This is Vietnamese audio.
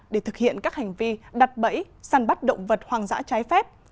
để thực hiện các hành vi đặt bẫy săn bắt động vật hoang dã trái phép